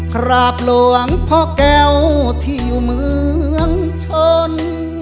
กราบหลวงพ่อแก้วที่อยู่เมืองชน